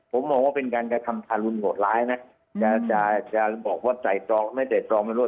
ผมบอกว่าเป็นการกระทำธารุณโหดร้ายนะจะจะจะบอกว่าใจจองไม่ใจจองไม่รู้